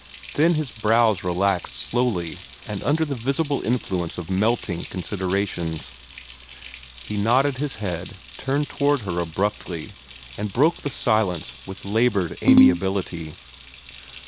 Then his brows relaxed slowly and under the visible influence of melting considerations. He nodded his head, turned toward her abruptly, and broke the silence with labored amiability.